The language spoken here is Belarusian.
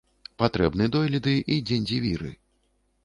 патрэбны дойліды і дзеньдзівіры.